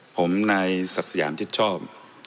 ผมนายศักดิ์สยามชิดชอบ